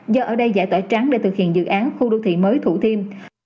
do ở đây giải tỏa trắng để thực hiện dự án khu đô thị mới thủ thiêm